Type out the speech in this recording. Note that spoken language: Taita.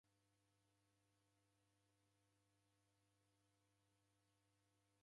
Iri nyonyi reka na rangi risefanane.